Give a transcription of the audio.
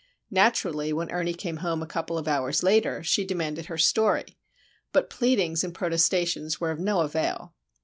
Naturally, when Ernie came home a couple of hours later, she demanded her story,—but pleadings and protestations were of no avail.